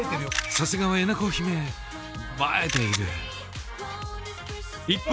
さすがはえなこ姫映えている一方